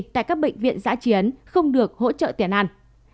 tại các bệnh viện giã chiến không được hỗ trợ tiền ăn